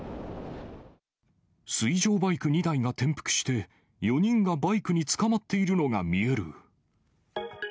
水上バイク２台が転覆して、４人がバイクにつかまっているのが見える。